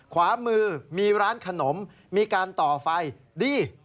ขวามือมีร้านขนมมีการต่อไฟดี